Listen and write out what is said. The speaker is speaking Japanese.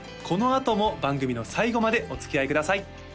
このあとも番組の最後までおつきあいください